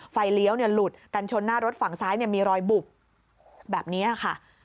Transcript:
เลี้ยวหลุดกันชนหน้ารถฝั่งซ้ายมีรอยบุบแบบนี้ค่ะ